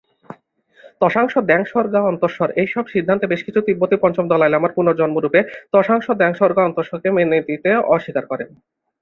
ত্শাংস-দ্ব্যাংস-র্গ্যা-ম্ত্শোর এই সব সিদ্ধান্তে বেশ কিছু তিব্বতী পঞ্চম দলাই লামার পুনর্জন্ম রূপে ত্শাংস-দ্ব্যাংস-র্গ্যা-ম্ত্শোকে মেনে নিতে অস্বীকার করেন।